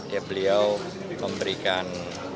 ya beliau memberikan